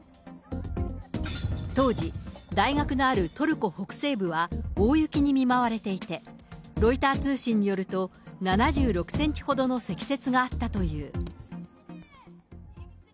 当時、大学のあるトルコ北西部は、大雪に見舞われていて、ロイター通信によると、７６センチほどの積雪があったという。